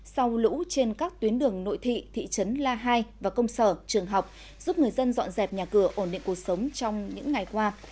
sau lũ trên các tuyến đường nội thị thị trấn la hai và công sở trường học giúp người dân dọn dẹp nhà cửa ổn định cuộc sống trong những ngày qua